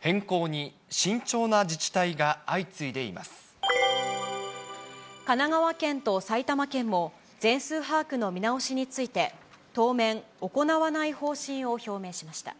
変更に慎重な自治体が相次い神奈川県と埼玉県も、全数把握の見直しについて、当面、行わない方針を表明しました。